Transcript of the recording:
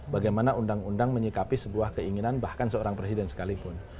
bagaimana undang undang menyikapi sebuah keinginan bahkan seorang presiden sekalipun